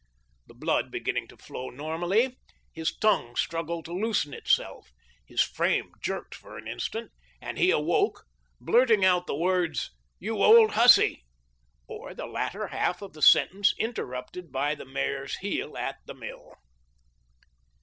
The blood beginning to flow normally, his tongue struggled to loosen itself, his frame jerked for an instant, and he awoke, blurting out the words "you old hussy," or the latter half of the sentence interrupted by the mare's heel at the mill.